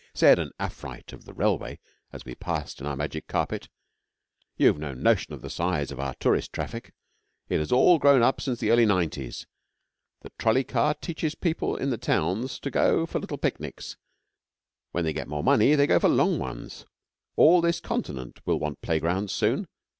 Said an Afrite of the Railway as we passed in our magic carpet: 'You've no notion of the size of our tourist traffic. It has all grown up since the early 'Nineties. The trolley car teaches people in the towns to go for little picnics. When they get more money they go for long ones. All this Continent will want playgrounds soon.